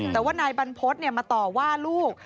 แต่ว่านายบรรพฤษมาต่อว่าลูก